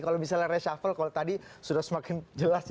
kalau misalnya reshuffle kalau tadi sudah semakin jelas ya